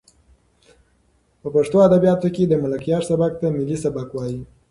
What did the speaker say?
په پښتو ادبیاتو کې د ملکیار سبک ته ملي سبک وایي.